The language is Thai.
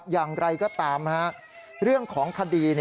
อย่างไรก็ตามเรื่องของคดี